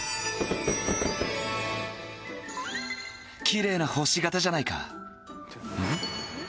キレイな星形じゃないかうん？